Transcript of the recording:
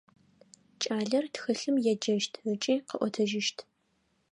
Кӏалэр тхылъым еджэщт ыкӏи къыӏотэжьыщт.